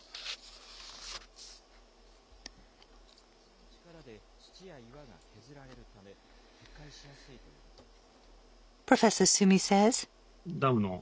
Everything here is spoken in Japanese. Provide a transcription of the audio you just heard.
あふれると水の力で土や岩が削られるため、決壊しやすいということです。